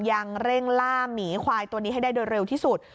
ยังเร่งล่าหมีควายตัวนี้ให้ได้โดยเร็วที่สุด